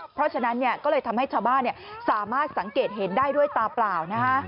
เพราะฉะนั้นก็เลยทำให้ชาวบ้านสามารถสังเกตเห็นได้ด้วยตาเปล่า